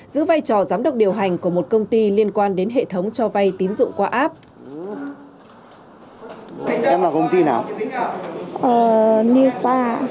giữ vai trò giám đốc điều hành của một công ty liên quan đến hệ thống cho vay tín dụng qua app